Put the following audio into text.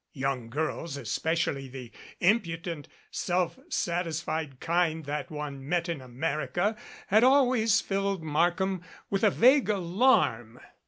Young girls, especially the impudent, self satisfied kind that one met in America, had always filled Markham with a vague alarm.